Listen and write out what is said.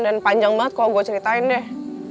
dan panjang banget kok gue ceritain deh